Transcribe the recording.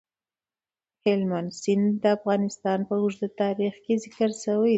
هلمند سیند د افغانستان په اوږده تاریخ کې ذکر شوی دی.